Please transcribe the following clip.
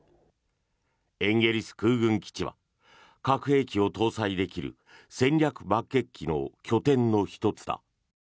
エンゲリス空軍基地は核兵器を搭載できる戦略爆撃機の拠点の１つだ。